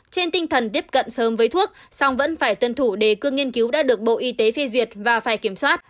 trên tinh thần tiếp cận sớm với thuốc song vẫn phải tuân thủ đề cương nghiên cứu đã được bộ y tế phê duyệt và phải kiểm soát